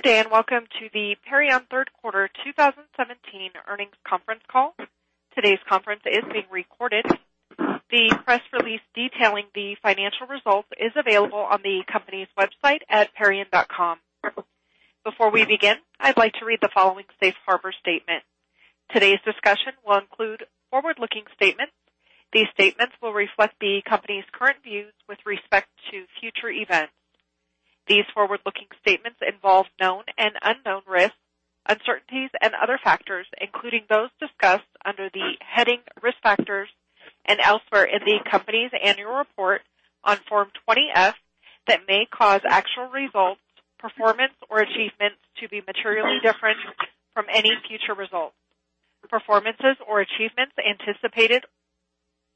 Good day, and welcome to the Perion third quarter 2017 earnings conference call. Today's conference is being recorded. The press release detailing the financial results is available on the company's website at perion.com. Before we begin, I'd like to read the following safe harbor statement. Today's discussion will include forward-looking statements. These statements will reflect the company's current views with respect to future events. These forward-looking statements involve known and unknown risks, uncertainties, and other factors, including those discussed under the heading Risk Factors and elsewhere in the company's annual report on Form 20-F, that may cause actual results, performance, or achievements to be materially different from any future results, performances, or achievements anticipated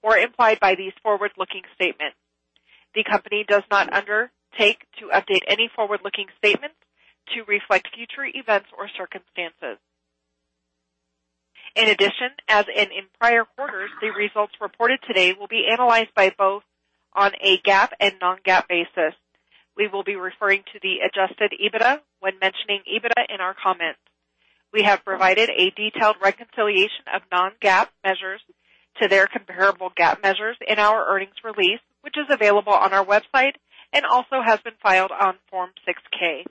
or implied by these forward-looking statements. The company does not undertake to update any forward-looking statements to reflect future events or circumstances. In addition, as in prior quarters, the results reported today will be analyzed by both on a GAAP and non-GAAP basis. We will be referring to the adjusted EBITDA when mentioning EBITDA in our comments. We have provided a detailed reconciliation of non-GAAP measures to their comparable GAAP measures in our earnings release, which is available on our website and also has been filed on Form 6-K.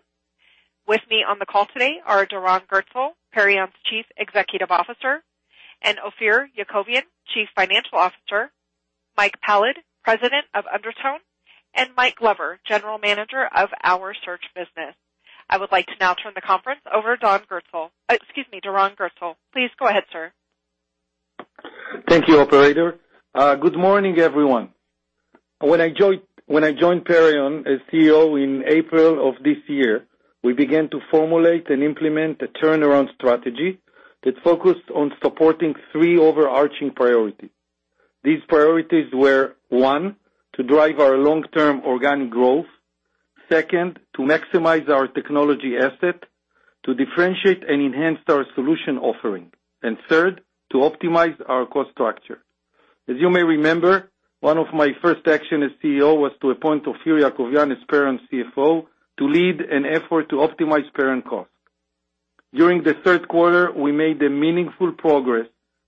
With me on the call today are Doron Gerstel, Perion's Chief Executive Officer, and Ophir Yakovian, Chief Financial Officer, Mike Pallad, President of Undertone, and Mike Glover, General Manager of Our Search Business. I would like to now turn the conference over Doron Gerstel. Please go ahead, sir. Thank you, operator. Good morning, everyone. When I joined Perion as CEO in April of this year, we began to formulate and implement a turnaround strategy that focused on supporting three overarching priorities. These priorities were, one, to drive our long-term organic growth, second, to maximize our technology asset to differentiate and enhance our solution offering, and third, to optimize our cost structure. As you may remember, one of my first action as CEO was to appoint Ophir Yakovian as Perion's CFO to lead an effort to optimize Perion cost. During the third quarter, we made a meaningful progress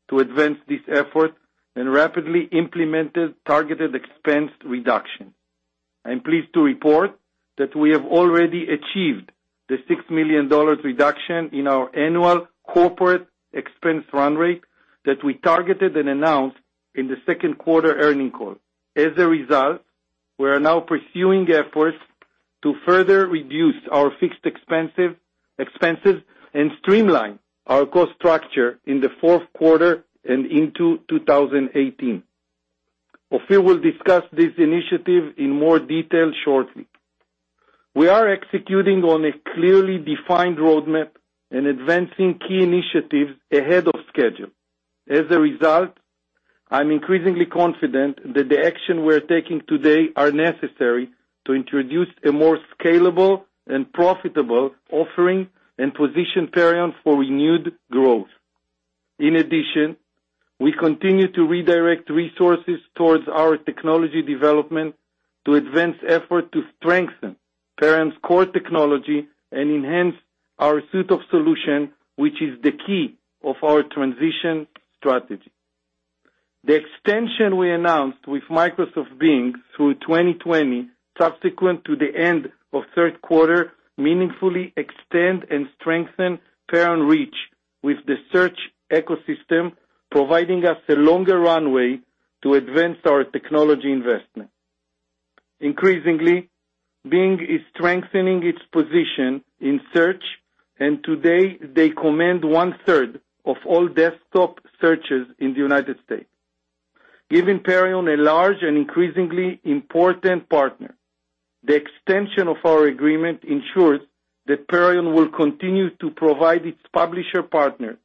to advance this effort and rapidly implemented targeted expense reduction. I'm pleased to report that we have already achieved the $6 million reduction in our annual corporate expense run rate that we targeted and announced in the second quarter earning call. As a result, we are now pursuing efforts to further reduce our fixed expenses and streamline our cost structure in the fourth quarter and into 2018. Ophir will discuss this initiative in more detail shortly. We are executing on a clearly defined roadmap and advancing key initiatives ahead of schedule. As a result, I'm increasingly confident that the action we're taking today are necessary to introduce a more scalable and profitable offering and position Perion for renewed growth. In addition, we continue to redirect resources towards our technology development to advance effort to strengthen Perion's core technology and enhance our suite of solution, which is the key of our transition strategy. The extension we announced with Microsoft Bing through 2020, subsequent to the end of third quarter, meaningfully extend and strengthen Perion reach with the search ecosystem, providing us a longer runway to advance our technology investment. Increasingly, Bing is strengthening its position in search, and today they command one-third of all desktop searches in the United States, giving Perion a large and increasingly important partner. The extension of our agreement ensures that Perion will continue to provide its publisher partner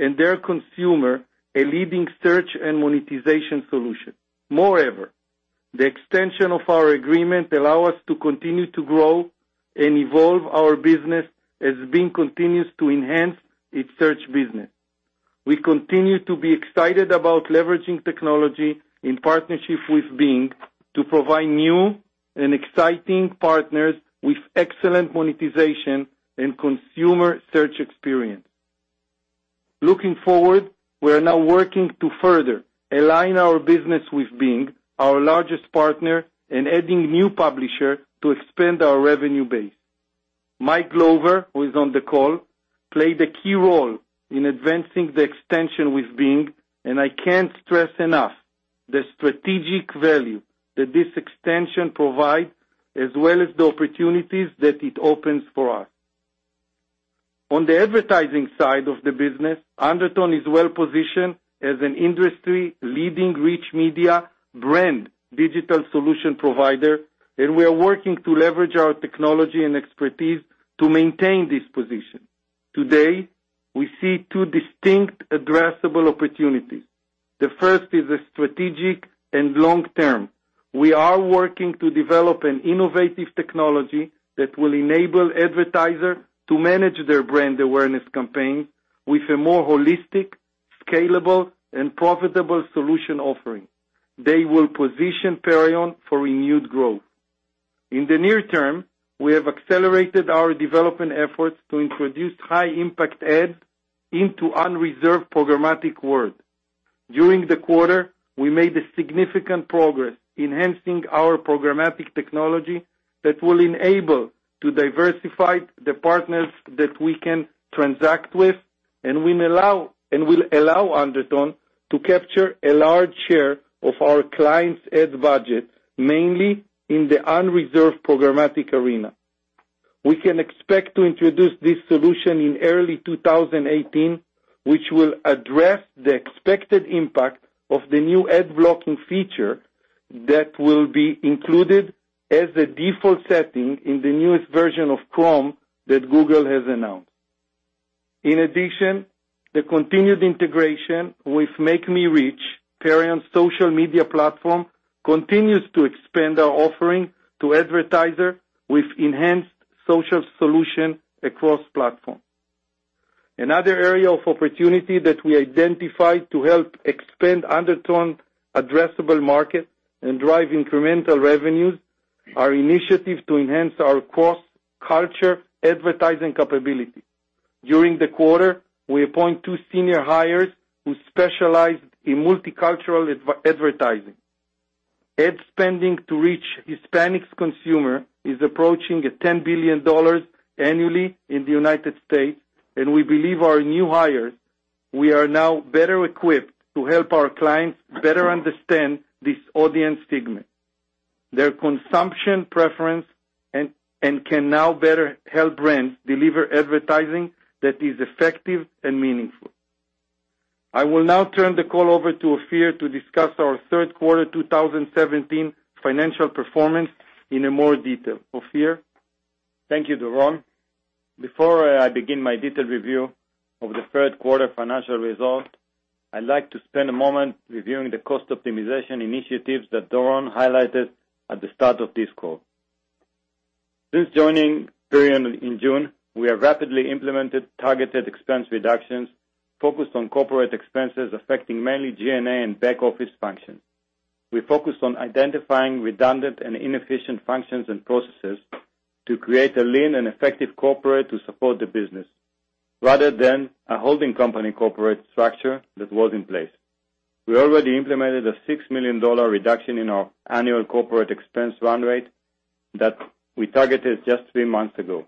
and their consumer a leading search and monetization solution. The extension of our agreement allow us to continue to grow and evolve our business as Bing continues to enhance its search business. We continue to be excited about leveraging technology in partnership with Bing to provide new and exciting partners with excellent monetization and consumer search experience. Looking forward, we are now working to further align our business with Bing, our largest partner, adding new publisher to expand our revenue base. Mike Glover, who is on the call, played a key role in advancing the extension with Bing, I can't stress enough the strategic value that this extension provide as well as the opportunities that it opens for us. On the advertising side of the business, Undertone is well-positioned as an industry-leading rich media brand digital solution provider, we are working to leverage our technology and expertise to maintain this position. Today, we see two distinct addressable opportunities. The first is a strategic and long-term. We are working to develop an innovative technology that will enable advertiser to manage their brand awareness campaign with a more holistic scalable and profitable solution offering. They will position Perion for renewed growth. In the near term, we have accelerated our development efforts to introduce high-impact ads into unreserved programmatic world. During the quarter, we made a significant progress enhancing our programmatic technology that will enable to diversify the partners that we can transact with, will allow Undertone to capture a large share of our clients' ad budget, mainly in the unreserved programmatic arena. We can expect to introduce this solution in early 2018, which will address the expected impact of the new ad blocking feature that will be included as a default setting in the newest version of Chrome that Google has announced. In addition, the continued integration with MakeMeReach, Perion's social media platform, continues to expand our offering to advertiser with enhanced social solution across platforms. Another area of opportunity that we identified to help expand Undertone addressable market and drive incremental revenues are initiatives to enhance our cross-culture advertising capability. During the quarter, we appoint two senior hires who specialized in multicultural advertising. Ad spending to reach Hispanic consumer is approaching at $10 billion annually in the United States, we believe our new hires, we are now better equipped to help our clients better understand this audience segment, their consumption preference, can now better help brands deliver advertising that is effective and meaningful. I will now turn the call over to Ophir to discuss our third quarter 2017 financial performance in a more detail. Ophir? Thank you, Doron. Before I begin my detailed review of the third quarter financial result, I'd like to spend a moment reviewing the cost optimization initiatives that Doron highlighted at the start of this call. Since joining Perion in June, we have rapidly implemented targeted expense reductions focused on corporate expenses affecting mainly G&A and back-office functions. We focused on identifying redundant and inefficient functions and processes to create a lean and effective corporate to support the business rather than a holding company corporate structure that was in place. We already implemented a $6 million reduction in our annual corporate expense run rate that we targeted just three months ago.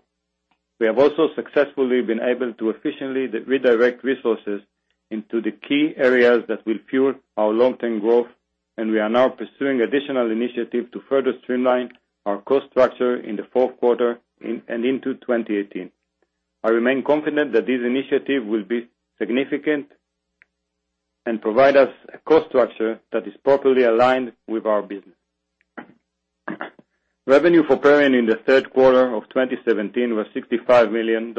We have also successfully been able to efficiently redirect resources into the key areas that will fuel our long-term growth, and we are now pursuing additional initiatives to further streamline our cost structure in the fourth quarter and into 2018. I remain confident that this initiative will be significant and provide us a cost structure that is properly aligned with our business. Revenue for Perion in the third quarter of 2017 was $65 million,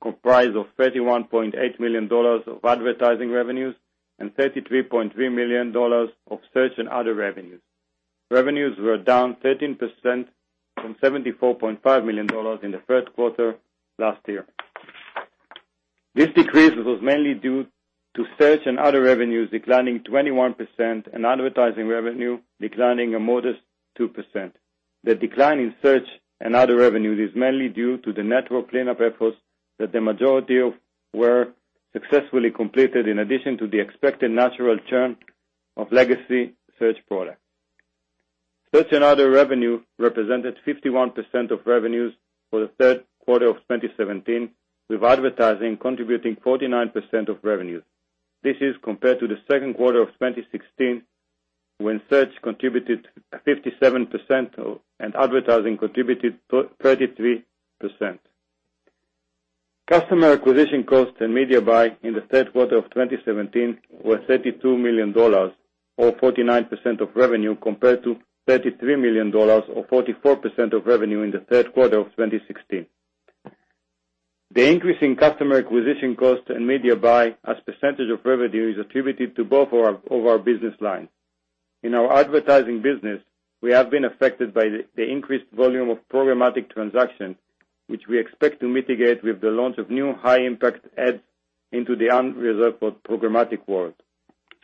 comprised of $31.8 million of advertising revenues and $33.3 million of search and other revenues. Revenues were down 13% from $74.5 million in the first quarter last year. This decrease was mainly due to search and other revenues declining 21% and advertising revenue declining a modest 2%. The decline in search and other revenues is mainly due to the network cleanup efforts that the majority of were successfully completed, in addition to the expected natural churn of legacy search products. Search and other revenue represented 51% of revenues for the third quarter of 2017, with advertising contributing 49% of revenues. This is compared to the second quarter of 2016, when search contributed 57% and advertising contributed 33%. Customer acquisition costs and media buy in the third quarter of 2017 were $32 million, or 49% of revenue, compared to $33 million or 44% of revenue in the third quarter of 2016. The increase in customer acquisition costs and media buy as percentage of revenue is attributed to both of our business lines. In our advertising business, we have been affected by the increased volume of programmatic transactions, which we expect to mitigate with the launch of new high-impact ads into the unreserved programmatic world.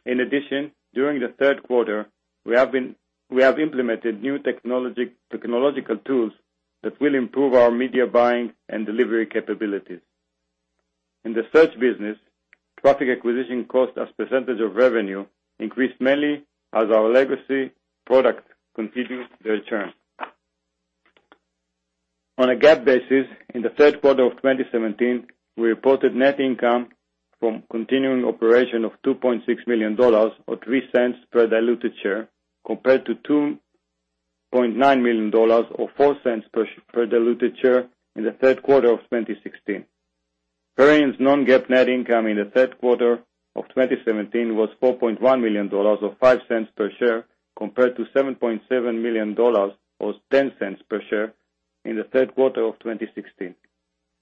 In addition, during the third quarter, we have implemented new technological tools that will improve our media buying and delivery capabilities. In the search business, traffic acquisition cost as percentage of revenue increased mainly as our legacy products continued their churn. On a GAAP basis, in the third quarter of 2017, we reported net income from continuing operation of $2.6 million, or $0.03 per diluted share, compared to $2.9 million or $0.04 per diluted share in the third quarter of 2016. Perion's non-GAAP net income in the third quarter of 2017 was $4.1 million or $0.05 per share, compared to $7.7 million or $0.10 per share in the third quarter of 2016.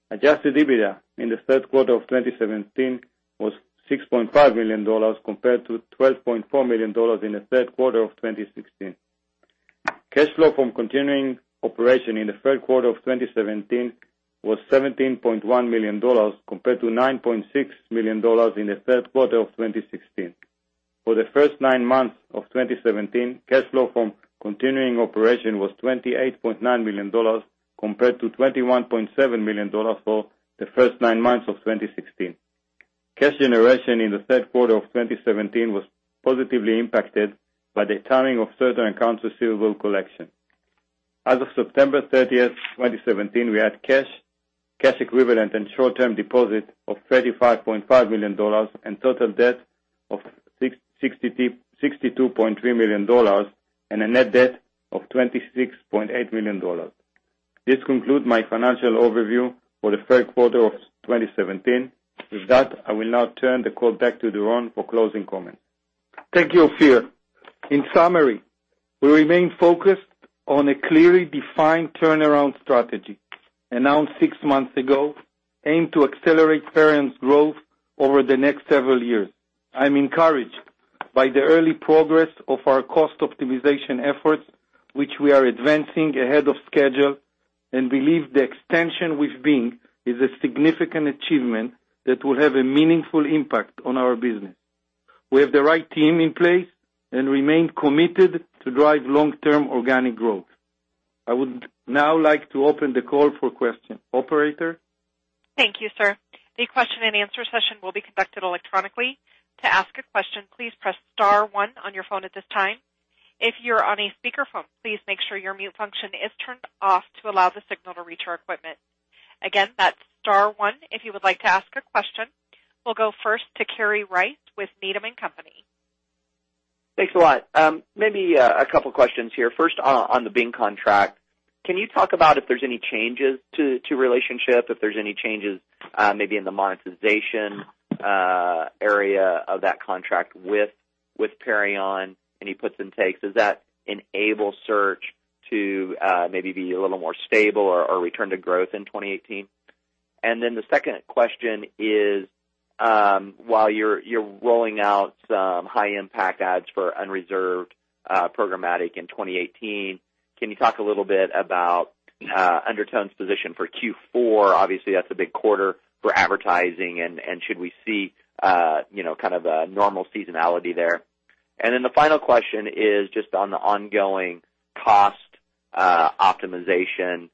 Adjusted EBITDA in the third quarter of 2017 was $6.5 million compared to $12.4 million in the third quarter of 2016. Cash flow from continuing operation in the third quarter of 2017 was $17.1 million, compared to $9.6 million in the third quarter of 2016. For the first nine months of 2017, cash flow from continuing operation was $28.9 million compared to $21.7 million for the first nine months of 2016. Cash generation in the third quarter of 2017 was positively impacted by the timing of certain accounts receivable collection. As of September 30th, 2017, we had cash equivalent and short-term deposits of $35.5 million and total debt of $62.3 million and a net debt of $26.8 million. This concludes my financial overview for the third quarter of 2017. I will now turn the call back to Doron for closing comments. Thank you, Ophir. In summary, we remain focused on a clearly defined turnaround strategy announced six months ago, aimed to accelerate Perion's growth over the next several years. I'm encouraged by the early progress of our cost optimization efforts, which we are advancing ahead of schedule and believe the extension with Bing is a significant achievement that will have a meaningful impact on our business. We have the right team in place and remain committed to drive long-term organic growth. I would now like to open the call for questions. Operator? Thank you, sir. The question and answer session will be conducted electronically. To ask a question, please press star one on your phone at this time. If you're on a speakerphone, please make sure your mute function is turned off to allow the signal to reach our equipment. Again, that's star one if you would like to ask a question. We'll go first to Kerry Rice with Needham & Company. Thanks a lot. Maybe a couple questions here. First, on the Bing contract, can you talk about if there's any changes to relationship, if there's any changes maybe in the monetization area of that contract with Perion, any puts and takes? Does that enable search to maybe be a little more stable or return to growth in 2018? The second question is, while you're rolling out some high-impact ads for unreserved programmatic in 2018, can you talk a little bit about Undertone's position for Q4? Obviously, that's a big quarter for advertising, and should we see kind of a normal seasonality there? The final question is just on the ongoing cost optimization.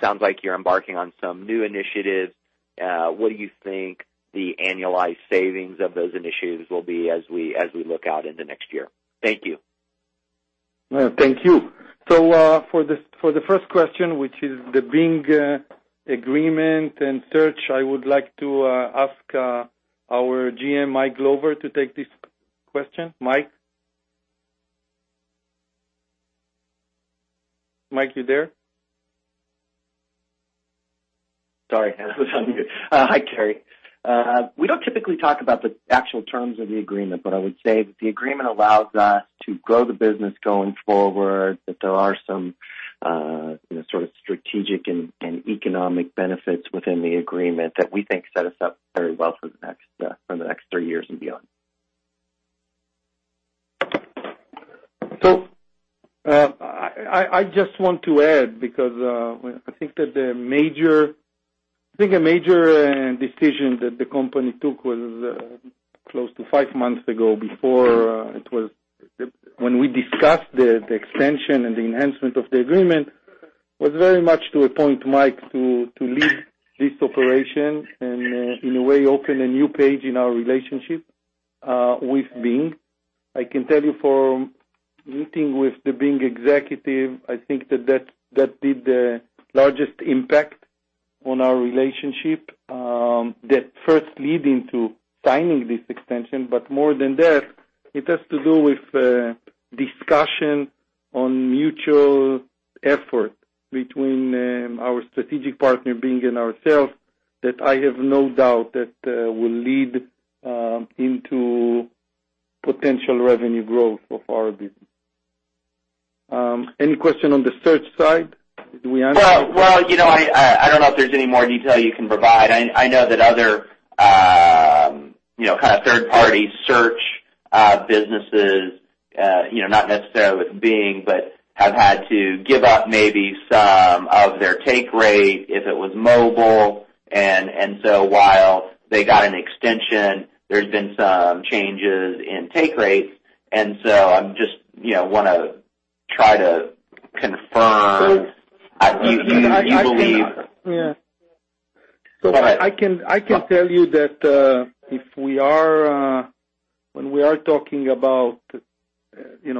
Sounds like you're embarking on some new initiatives. What do you think the annualized savings of those initiatives will be as we look out into next year? Thank you. No, thank you. For the first question, which is the Bing agreement and search, I would like to ask our GM, Mike Glover, to take this question. Mike? Mike, you there? Sorry. I was on mute. Hi, Kerry. We don't typically talk about the actual terms of the agreement, but I would say that the agreement allows us to grow the business going forward, that there are some sort of strategic and economic benefits within the agreement that we think set us up very well for the next three years and beyond. I just want to add, because I think a major decision that the company took was close to five months ago, before it was when we discussed the extension and the enhancement of the agreement, was very much to appoint Mike to lead this operation and, in a way, open a new page in our relationship with Bing. I can tell you from meeting with the Bing executive, I think that that did the largest impact on our relationship, that first leading to signing this extension, but more than that, it has to do with discussion on mutual effort between our strategic partner, Bing, and ourselves, that I have no doubt that will lead into potential revenue growth of our business. Any question on the search side? Did we answer? Well, I don't know if there's any more detail you can provide. I know that other kind of third-party search businesses, not necessarily with Bing, but have had to give up maybe some of their take rate if it was mobile. While they got an extension, there's been some changes in take rates. I just want to try to confirm. So- Do you believe? Yeah. Go ahead. I can tell you that when we are talking about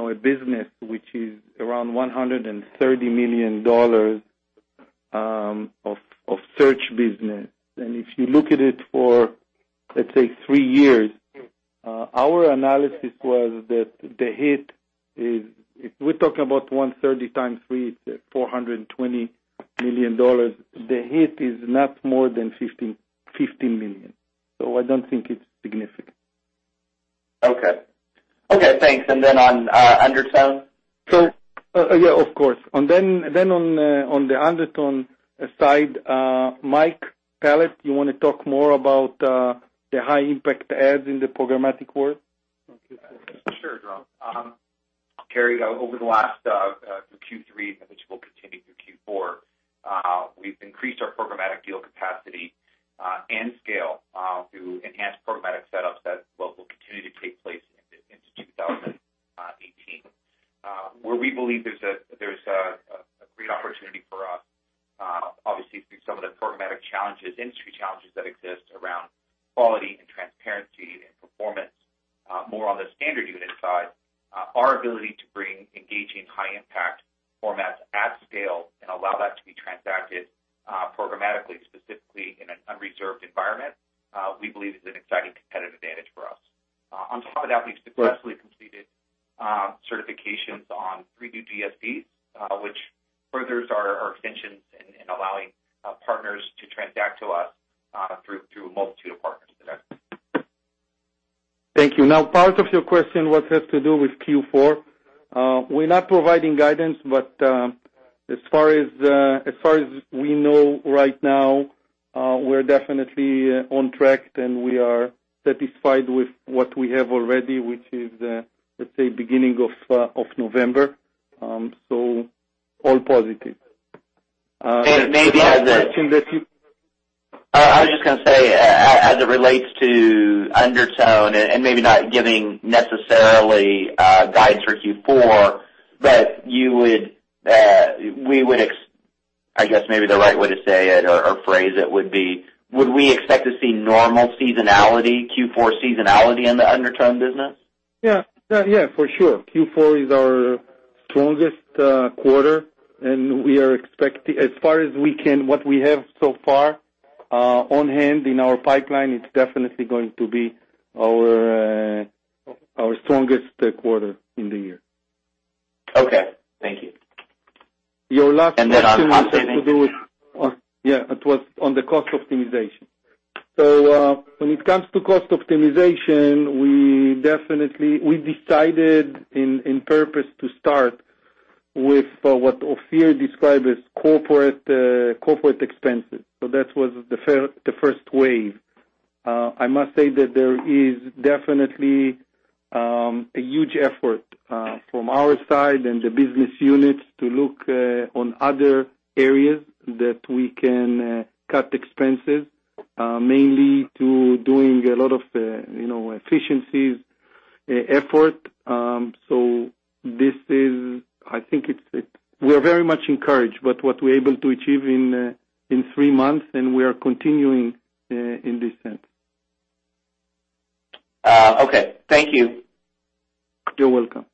a business which is around $130 million of search business, and if you look at it for, let's say, three years, our analysis was that the hit is, if we're talking about 130 times three, it's at $420 million. The hit is not more than $15 million. I don't think it's significant. Okay. Okay, thanks. Then on Undertone? Yeah, of course. On the Undertone side, Mike Pallad, you want to talk more about the high-impact ads in the programmatic world? Sure, Doron. Kerry, over the last through Q3, and which will continue through Q4. We've increased our programmatic deal capacity and scale through enhanced programmatic setups that will continue to take place into 2018. Where we believe there's a great opportunity for us, obviously through some of the programmatic challenges, industry challenges that exist around quality and transparency and performance. More on the standard unit side, our ability to bring engaging, high-impact formats at scale and allow that to be transacted programmatically, specifically in an unreserved environment, we believe is an exciting competitive advantage for us. On top of that, we've successfully completed certifications on three new SSPs, which furthers our extensions in allowing partners to transact to us through multitude of partners today. Thank you. Part of your question, what has to do with Q4, we're not providing guidance, but as far as we know right now, we're definitely on track, and we are satisfied with what we have already, which is, let's say, beginning of November. All positive. maybe as. The last question that you. I was just going to say, as it relates to Undertone and maybe not giving necessarily guidance for Q4, but I guess maybe the right way to say it or phrase it would be, would we expect to see normal seasonality, Q4 seasonality in the Undertone business? Yeah. For sure. Q4 is our strongest quarter. As far as we can, what we have so far on hand in our pipeline, it's definitely going to be our strongest quarter in the year. Okay. Thank you. Your last question. On cost savings has to do with, yeah, it was on the cost optimization. When it comes to cost optimization, we decided in purpose to start with what Ophir described as corporate expenses. That was the first wave. I must say that there is definitely a huge effort from our side and the business units to look on other areas that we can cut expenses, mainly to doing a lot of efficiencies effort. We're very much encouraged with what we're able to achieve in three months, and we are continuing in this sense. Okay. Thank you. You're welcome.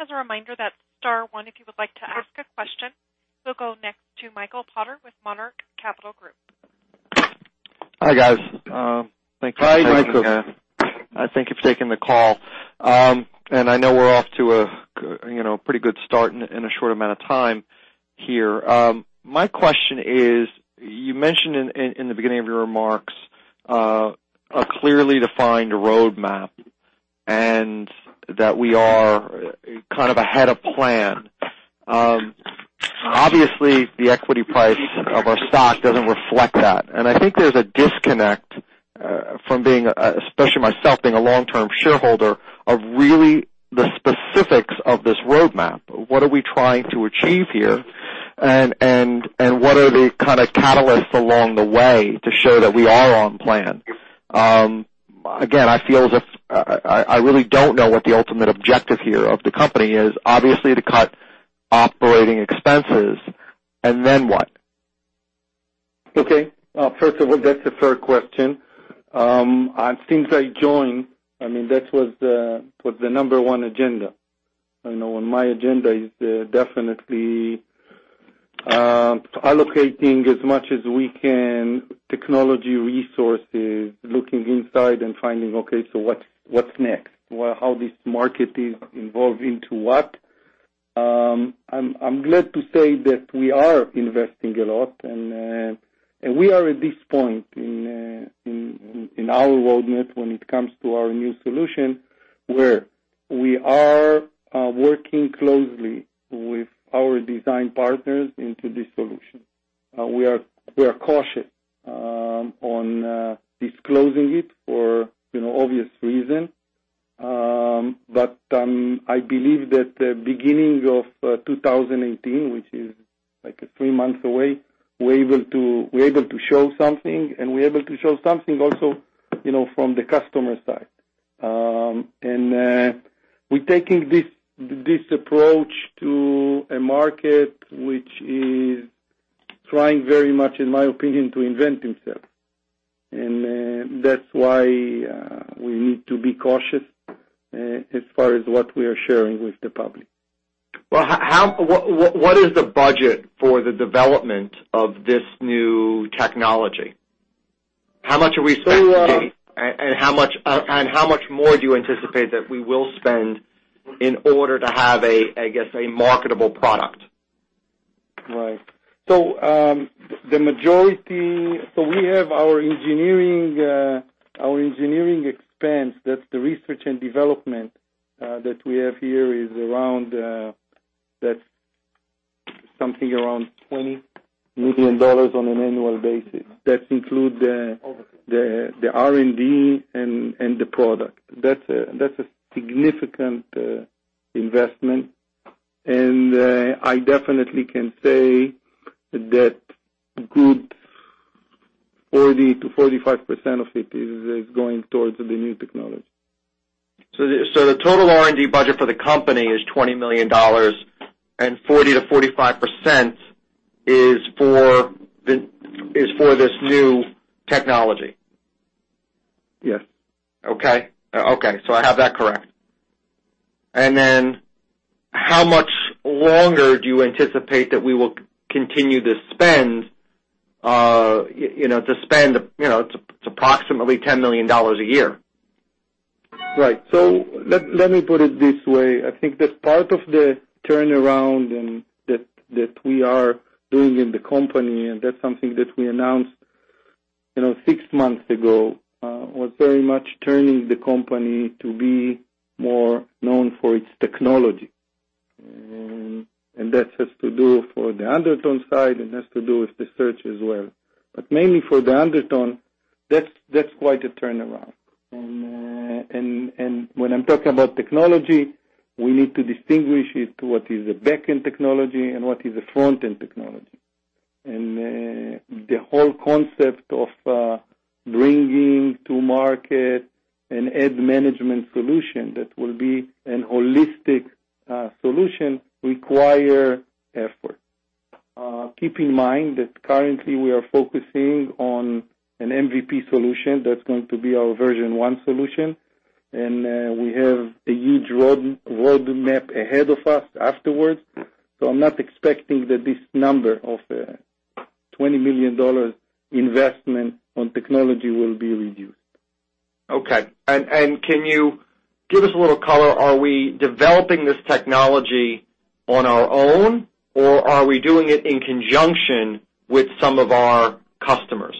As a reminder, that's star one if you would like to ask a question. We'll go next to Michael Potter with Monarch Capital Group. Hi, guys. Thank you. Hi, Michael. taking the call. I know we're off to a pretty good start in a short amount of time here. My question is, you mentioned in the beginning of your remarks, a clearly defined roadmap, and that we are kind of ahead of plan. Obviously, the equity price of our stock doesn't reflect that, and I think there's a disconnect from being, especially myself, being a long-term shareholder, of really the specifics of this roadmap. What are we trying to achieve here and what are the kind of catalysts along the way to show that we are on plan? Again, I feel as if I really don't know what the ultimate objective here of the company is. Obviously, to cut operating expenses, and then what? Okay. First of all, that's a fair question. Since I joined, that was the number 1 agenda. On my agenda is definitely allocating as much as we can technology resources, looking inside and finding, okay, so what's next? How this market is evolving to what? I'm glad to say that we are investing a lot, and we are at this point in our roadmap when it comes to our new solution, where we are working closely with our design partners into this solution. We are cautious on disclosing it for obvious reason. I believe that the beginning of 2018, which is three months away, we're able to show something, and we're able to show something also from the customer side. We're taking this approach to a market which is trying very much, in my opinion, to invent itself. That's why we need to be cautious as far as what we are sharing with the public. What is the budget for the development of this new technology? How much are we spending to date, and how much more do you anticipate that we will spend in order to have, I guess, a marketable product? Right. We have our engineering expense, that's the research and development that we have here is around $20 million on an annual basis. That includes the R&D and the product. That's a significant investment, and I definitely can say that a good 40%-45% of it is going towards the new technology. The total R&D budget for the company is $20 million, and 40%-45% is for this new technology? Yes. Okay. I have that correct. How much longer do you anticipate that we will continue to spend approximately $10 million a year? Right. Let me put it this way. I think that part of the turnaround that we are doing in the company, that's something that we announced six months ago, was very much turning the company to be more known for its technology. That has to do for the Undertone side and has to do with the search as well. Mainly for the Undertone, that's quite a turnaround. When I'm talking about technology, we need to distinguish it to what is a back-end technology and what is a front-end technology. The whole concept of bringing to market an ad management solution that will be an holistic solution require effort. Keep in mind that currently we are focusing on an MVP solution that's going to be our version 1 solution, and we have a huge roadmap ahead of us afterwards. I'm not expecting that this number of $20 million investment on technology will be reduced. Okay. Can you give us a little color? Are we developing this technology on our own, or are we doing it in conjunction with some of our customers?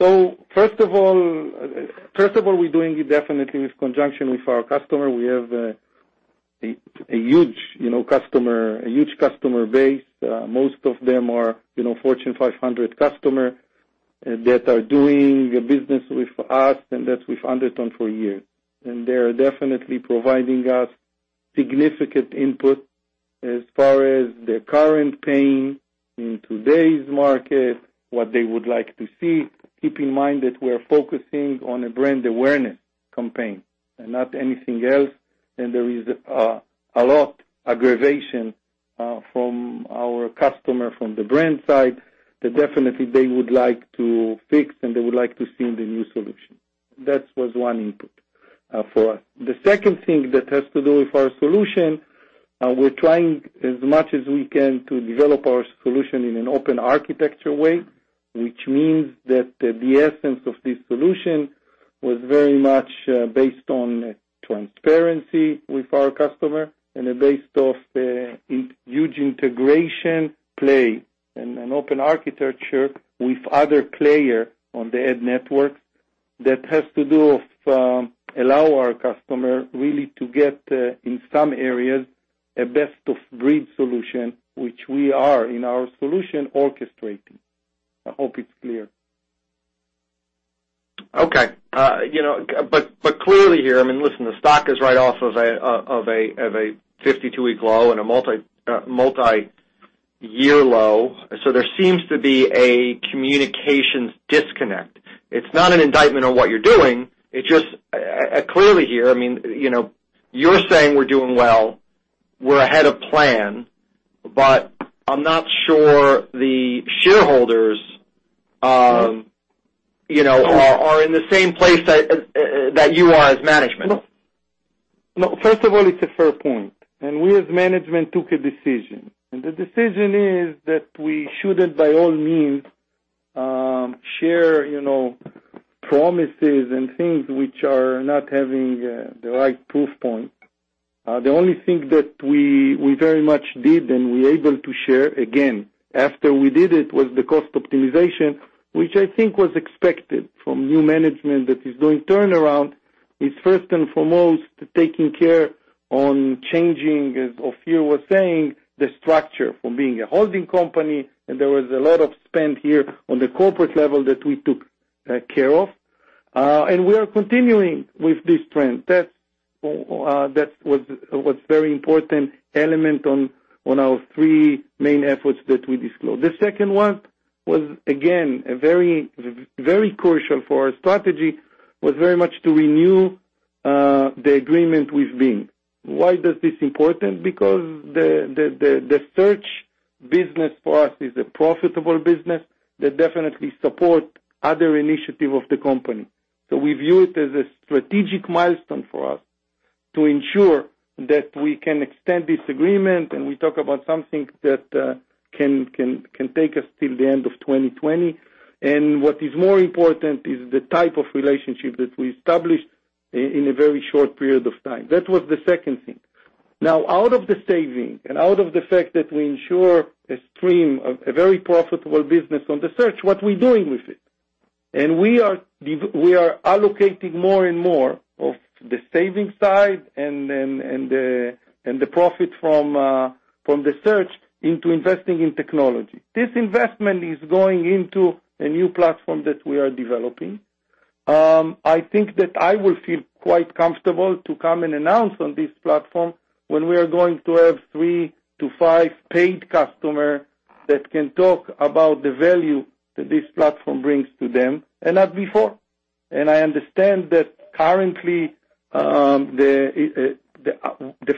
First of all, we're doing it definitely with conjunction with our customer. We have a huge customer base. Most of them are Fortune 500 customer that are doing a business with us, that's with Undertone for years. They are definitely providing us significant input as far as the current pain in today's market, what they would like to see. Keep in mind that we're focusing on a brand awareness campaign and not anything else, there is a lot aggravation from our customer from the brand side that definitely they would like to fix, and they would like to see the new solution. That was one input for us. The second thing that has to do with our solution, we're trying as much as we can to develop our solution in an open architecture way, which means that the essence of this solution was very much based on transparency with our customer and based off a huge integration play and an open architecture with other player on the ad network that has to do of allow our customer really to get, in some areas, a best-of-breed solution, which we are in our solution orchestrating. I hope it's clear. Okay. Clearly here, I mean, listen, the stock is right off of a 52-week low and a multi-year low. There seems to be a communications disconnect. It's not an indictment of what you're doing. It's just clearly here, I mean, you're saying we're doing well, we're ahead of plan, I'm not sure the shareholders- Sure are in the same place that you are as management. No. First of all, it's a fair point. We as management took a decision, and the decision is that we shouldn't, by all means, share promises and things which are not having the right proof point. The only thing that we very much did, and we able to share, again, after we did it, was the cost optimization, which I think was expected from new management that is doing turnaround, is first and foremost taking care on changing, as Ophir was saying, the structure from being a holding company, and there was a lot of spend here on the corporate level that we took care of. We are continuing with this trend. That was very important element on our three main efforts that we disclosed. The second one was, again, very crucial for our strategy, was very much to renew the agreement with Bing. Why is this important? The search business for us is a profitable business that definitely support other initiatives of the company. We view it as a strategic milestone for us to ensure that we can extend this agreement, we talk about something that can take us till the end of 2020. What is more important is the type of relationship that we established in a very short period of time. That was the second thing. Now, out of the savings and out of the fact that we ensure a stream, a very profitable business on the search, what we doing with it? We are allocating more and more of the savings side and the profit from the search into investing in technology. This investment is going into a new platform that we are developing. I think that I will feel quite comfortable to come and announce on this platform when we are going to have three to five paid customers that can talk about the value that this platform brings to them, and not before. I understand that currently, the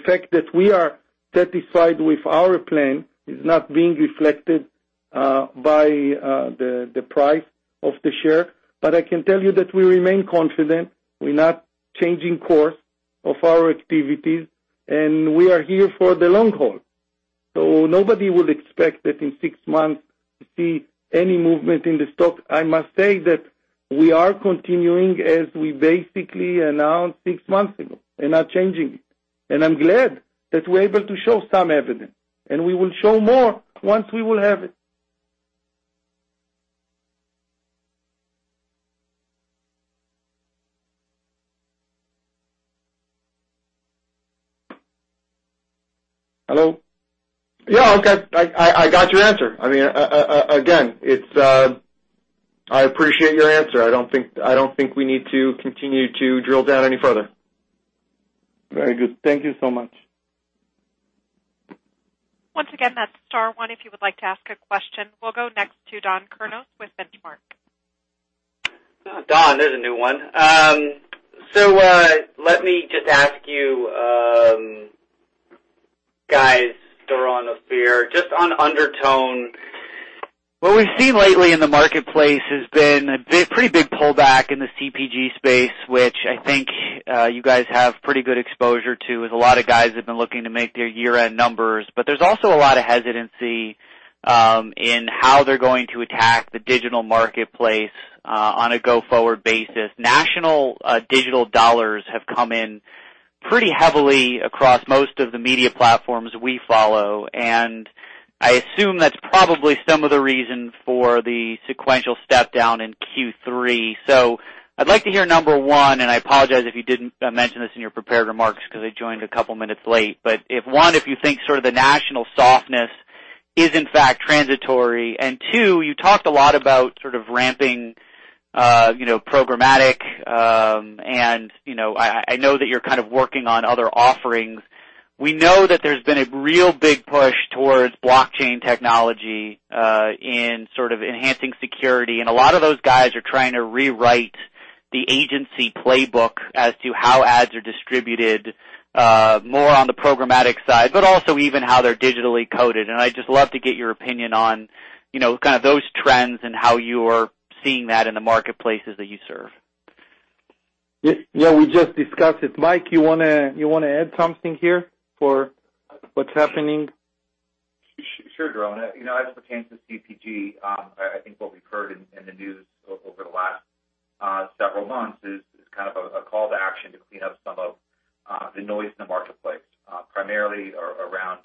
fact that we are satisfied with our plan is not being reflected by the price of the share. I can tell you that we remain confident. We're not changing course of our activities, and we are here for the long haul. Nobody will expect that in six months to see any movement in the stock. I must say that we are continuing as we basically announced six months ago and not changing it. I'm glad that we're able to show some evidence, and we will show more once we will have it. Hello? Yeah, okay. I got your answer. Again, I appreciate your answer. I don't think we need to continue to drill down any further. Very good. Thank you so much. Once again, that's star one if you would like to ask a question. We'll go next to Dan Kurnos with Benchmark. Dan, there's a new one. Let me just ask you guys, Doron, Ophir, just on Undertone. What we've seen lately in the marketplace has been a pretty big pullback in the CPG space, which I think you guys have pretty good exposure to, as a lot of guys have been looking to make their year-end numbers. There's also a lot of hesitancy in how they're going to attack the digital marketplace, on a go-forward basis. National digital dollars have come in pretty heavily across most of the media platforms we follow, and I assume that's probably some of the reason for the sequential step-down in Q3. I'd like to hear, number one, and I apologize if you didn't mention this in your prepared remarks because I joined a couple of minutes late, but, one, if you think sort of the national softness is in fact transitory. Two, you talked a lot about sort of ramping programmatic, and I know that you're kind of working on other offerings. We know that there's been a real big push towards blockchain technology, in sort of enhancing security. A lot of those guys are trying to rewrite the agency playbook as to how ads are distributed, more on the programmatic side, but also even how they're digitally coded. I'd just love to get your opinion on kind of those trends and how you're seeing that in the marketplaces that you serve. Yeah, we just discussed it. Mike, you want to add something here for what's happening? Sure, Doron. As it pertains to CPG, I think what we've heard in the news over the last several months is kind of a call to action to clean up some of the noise in the marketplace, primarily around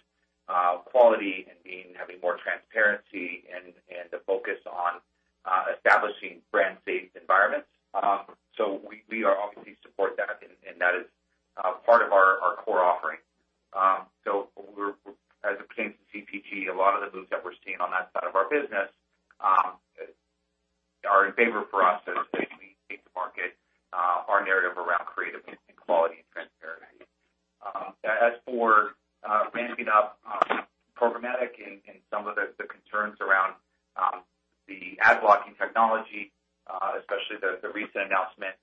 quality and having more transparency and a focus on establishing brand safe environments. We obviously support that, and that is part of our core offering. As it pertains to CPG, a lot of the moves that we're seeing on that side of our business are in favor for us as we take to market our narrative around creative and quality and transparency. As for ramping up programmatic and some of the concerns around the ad blocking technology, especially the recent announcement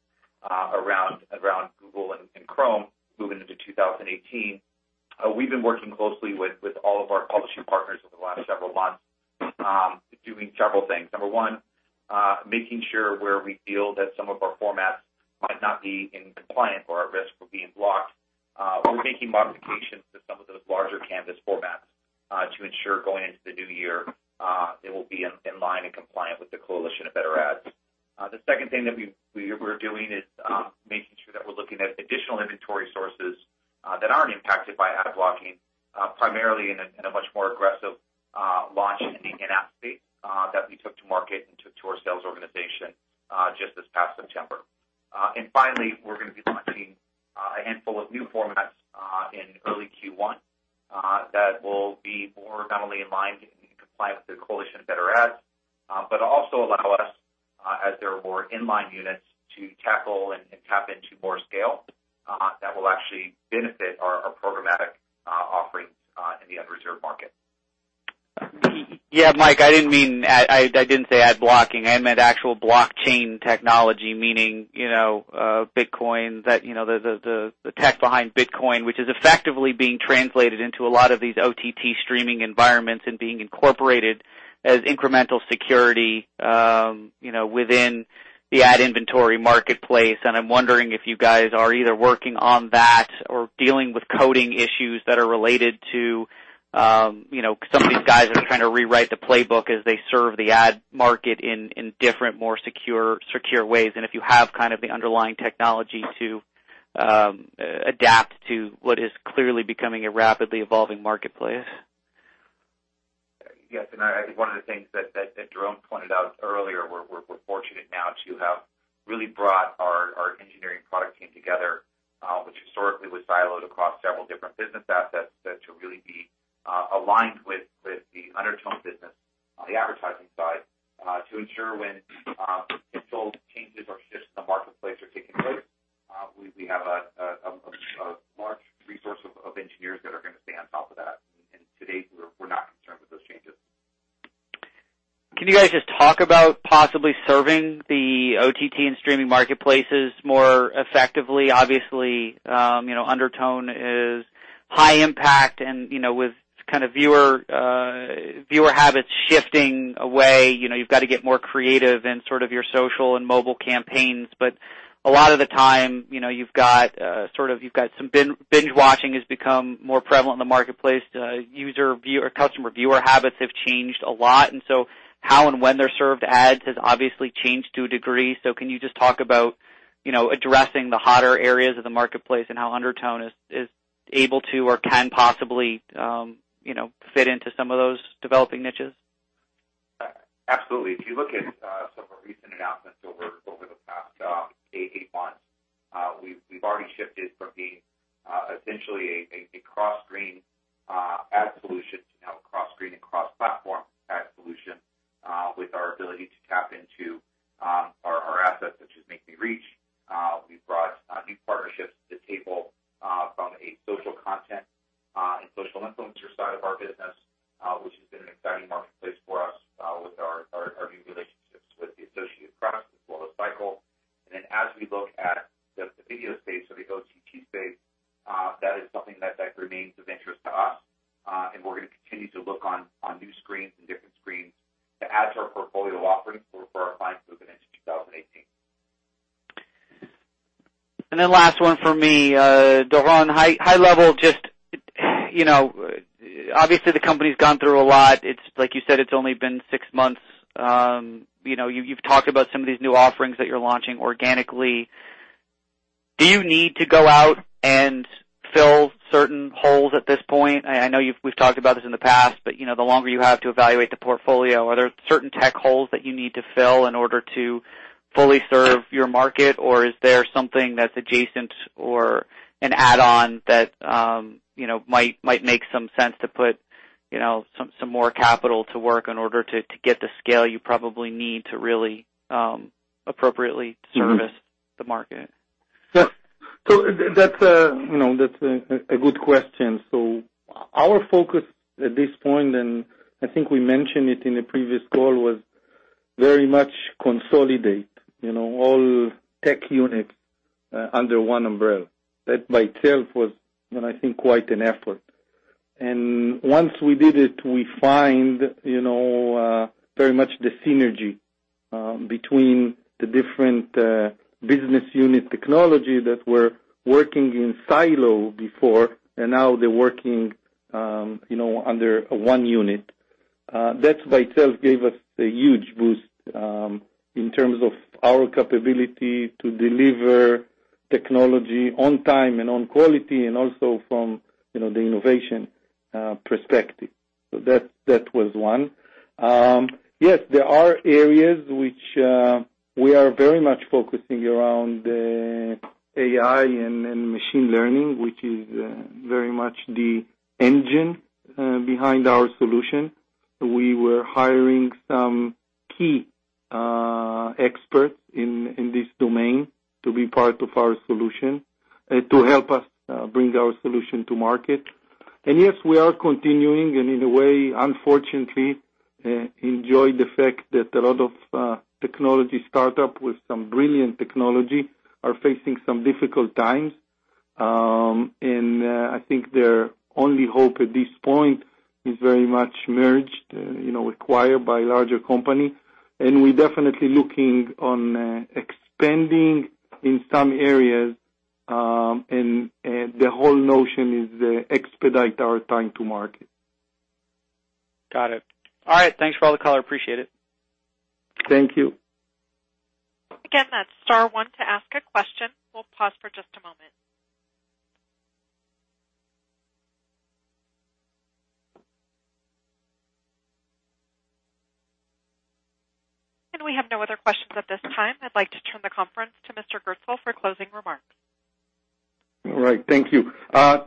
as incremental security within the ad inventory marketplace. I'm wondering if you guys are either working on that or dealing with coding issues that are related to some of these guys that are trying to rewrite the playbook as they serve the ad market in different, more secure ways, and if you have kind of the underlying technology to adapt to what is clearly becoming a rapidly evolving marketplace. Yes, I think one of the things that Doron pointed out earlier, we're fortunate now to have really brought our engineering product team together, which historically was siloed across several different business assets, to really be aligned with the Undertone business on the advertising side to ensure when control changes or shifts in the marketplace are taking place, we have a large resource of engineers that are going to stay on top of that. To date, we're not concerned with those changes. Can you guys just talk about possibly serving the OTT and streaming marketplaces more effectively? Obviously, Undertone is high impact and with kind of viewer habits shifting away, you've got to get more creative in sort of your social and mobile campaigns. A lot of the time, you've got some binge-watching has become more prevalent in the marketplace. Customer viewer habits have changed a lot. How and when they're served ads has obviously changed to a degree. Can you just talk about addressing the hotter areas of the marketplace and how Undertone is able to or can possibly fit into some of those developing niches? Absolutely. If you look at some of our recent announcements over the past eight months, we've already shifted from being essentially a cross-screen ad solution to now a cross-screen and cross-platform ad solution with our ability to tap into our assets, such as MakeMeReach. We've brought new partnerships to the table from a social content and social influencer side of our business, which has been an exciting marketplace for us with our new relationships with the Associated Press as well as Cycle. As we look at the video space or the OTT space, that is something that remains of interest to us, and we're going to continue to look on new screens and different screens to add to our portfolio offerings for our clients moving into 2018. Last one for me. Doron, high level, just obviously the company's gone through a lot. Like you said, it's only been six months. You've talked about some of these new offerings that you're launching organically. Do you need to go out and fill certain holes at this point? I know we've talked about this in the past, but the longer you have to evaluate the portfolio, are there certain tech holes that you need to fill in order to fully serve your market? Is there something that's adjacent or an add-on that might make some sense to put some more capital to work in order to get the scale you probably need to really appropriately service the market? That's a good question. Our focus at this point, and I think we mentioned it in the previous call, was very much consolidate all tech units under one umbrella. That by itself was, I think, quite an effort. Once we did it, we find very much the synergy between the different business unit technology that were working in silo before, now they're working under one unit. That by itself gave us a huge boost in terms of our capability to deliver technology on time and on quality, also from the innovation perspective. That was one. There are areas which we are very much focusing around AI and machine learning, which is very much the engine behind our solution. We were hiring some key experts in this domain to be part of our solution to help us bring our solution to market. Yes, we are continuing, in a way, unfortunately, enjoy the fact that a lot of technology startup with some brilliant technology are facing some difficult times. I think their only hope at this point is very much merged, acquired by larger company. We're definitely looking on expanding in some areas, the whole notion is expedite our time to market. Got it. All right. Thanks for all the color. Appreciate it. Thank you. Again, that's star one to ask a question. We'll pause for just a moment. We have no other questions at this time. I'd like to turn the conference to Mr. Gerstel for closing remarks. All right. Thank you.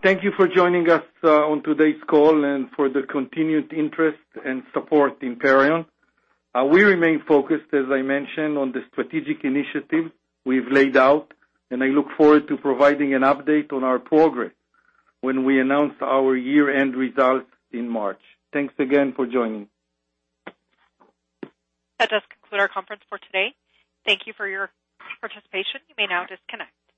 Thank you for joining us on today's call and for the continued interest and support in Perion. We remain focused, as I mentioned, on the strategic initiatives we've laid out. I look forward to providing an update on our progress when we announce our year-end results in March. Thanks again for joining. That does conclude our conference for today. Thank you for your participation. You may now disconnect.